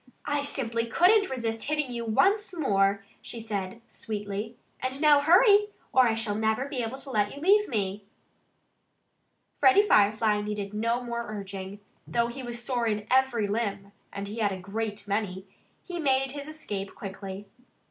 "I simply couldn't resist hitting you once more!" she said sweetly. "And now, hurry! Or I shall never be able to let you leave me." Freddie Firefly needed no more urging. Though he was sore in every limb (and he had a great many!) he made his escape quickly.